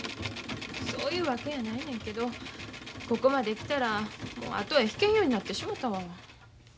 そういうわけやないねんけどここまで来たら後へ引けんようになってしもたわ。